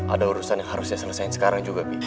ada urusan yang harus saya selesaikan sekarang juga